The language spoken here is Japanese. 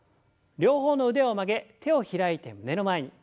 両方の腕を曲げ手を開いて胸の前に。